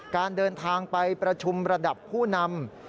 การเดินทางไปประชุมระดับผู้นำ